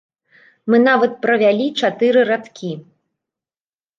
Мы нават прывялі чатыры радкі.